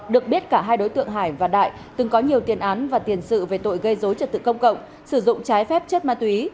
được biết cả hai đối tượng hải và đại từng có nhiều tiền án và tiền sự về tội gây dối trật tự công cộng sử dụng trái phép chất ma túy